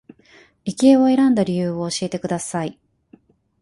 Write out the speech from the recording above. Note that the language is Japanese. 理系を選んだ理由を教えてください